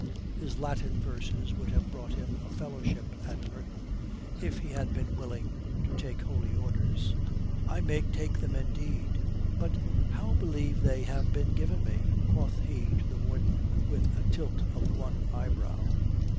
His Latin verses would have brought him a fellowship at Merton if he had been willing to take Holy Orders, "I may take them indeed; but how believe they have been given me?" quoth he to the Warden with a tilt of one eyebrow.